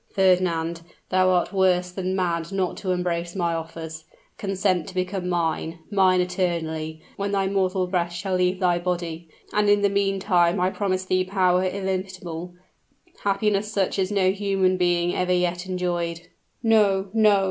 Fernand, thou art worse than mad not to embrace my offers. Consent to become mine mine eternally, when thy mortal breath shall leave thy body, and in the meantime I promise thee power illimitable happiness such as no human being ever yet enjoyed " "No no!"